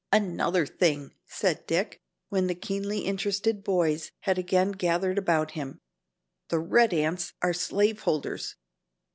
"Another thing," said Dick, when the keenly interested boys had again gathered about him, "the red ants are slaveholders.